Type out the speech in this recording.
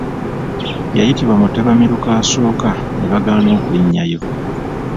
Yayitibwa mu ttabamiruka asooka ne bagaana okulinnyayo.